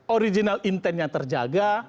original intentnya terjaga